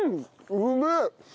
うめえ！